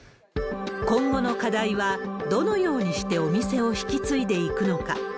今後の課題は、どのようにしてお店を引き継いでいくのか。